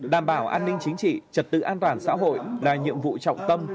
đảm bảo an ninh chính trị trật tự an toàn xã hội là nhiệm vụ trọng tâm